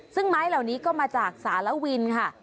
ซึ่งไม้เหล่านี้ก็มาจากสารวินค่ะ